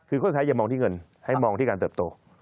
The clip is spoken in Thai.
คือเขาใช้อย่ามองที่เงินให้มองที่การเติบโต